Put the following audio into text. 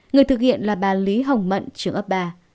người thực hiện là bà lý hồng mận trưởng ấp ba